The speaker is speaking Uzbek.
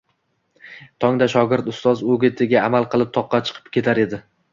tongda shogord ustozi o‘gitiga amal qilib toqqa chiqib ketar edi